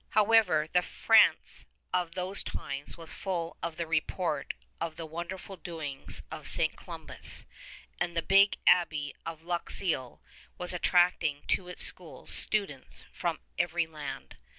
However, the France of those times was full of the report of the wonderful doings of St. Columbanus, and the big abbey of Luxeuil was attracting to its schools students from every land.